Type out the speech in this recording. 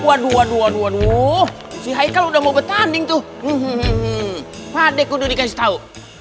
waduh waduh waduh waduh si haikal udah mau bertanding tuh padek udah dikasih tau